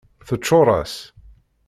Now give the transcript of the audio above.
Teččuṛ-as.